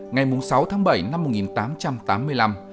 ngày sáu tháng bảy năm một nghìn tám trăm tám mươi năm